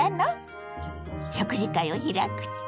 食事会を開くって？